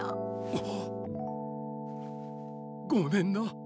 あっごめんな。